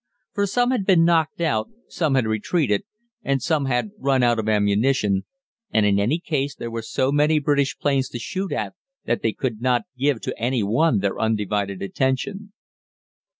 For some had been knocked out, some had retreated, and some had run out of ammunition, and in any case there were so many British planes to shoot at that they could not give to any one their undivided attention.